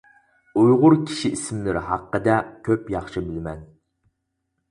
ئۇيغۇر كىشى ئىسىملىرى ھەققىدە كۆپ ياخشى بىلىمەن.